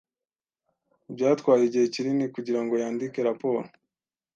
Byatwaye igihe kinini kugirango yandike raporo.